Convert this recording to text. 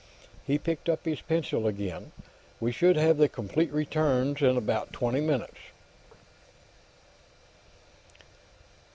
He picked up his pencil again. "We should have the complete returns in about twenty minutes."